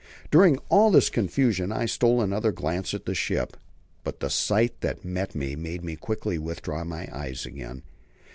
During all this confusion I stole another glance at the ship, but the sight that met me made me quickly withdraw my eyes again.